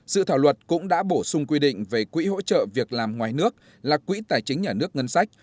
dự thảo luật cũng đã bổ sung quy định về quỹ hỗ trợ việc làm ngoài nước là quỹ tài chính nhà nước ngân sách